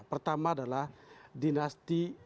pertama adalah dinasti